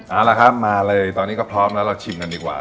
เอาละครับมาเลยตอนนี้ก็พร้อมแล้วเราชิมกันดีกว่า